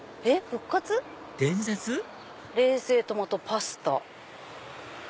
「冷製トマトパスタ」。